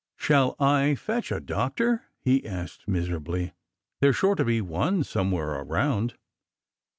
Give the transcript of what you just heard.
" Shall I fetch a doctor? " he asked miserably. " There s sure to be one, somewhere around."